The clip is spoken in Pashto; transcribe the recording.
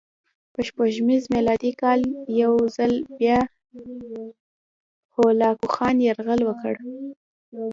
په سپوږمیز میلادي کال یو ځل بیا هولاکوخان یرغل وکړ.